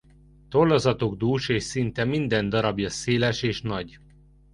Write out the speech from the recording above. Tollazatuk dús és szinte minden darabja széles és nagy.